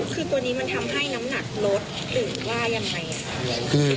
คืออันนี้มันทำให้น้ำหนักรไล่หรือนายไหม